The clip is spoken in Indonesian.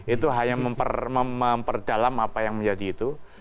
itu hanya memperdalam apa yang menjadi itu